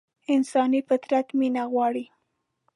انساني فطرت مينه غواړي.